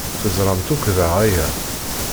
Teẓramt ukḍeɣ aya.